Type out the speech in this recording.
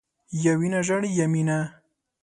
یا وینه ژاړي، یا مینه.